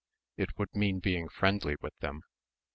It would mean being friendly with them.